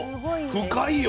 深いよ。